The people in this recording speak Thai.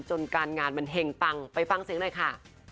จนการงานมันแห่งปังไปฟังเสียงได้ค่ะ